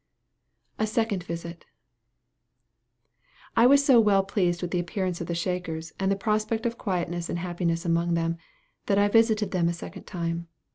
A SECOND VISIT. I was so well pleased with the appearance of the Shakers, and the prospect of quietness and happiness among them, that I visited them a second time.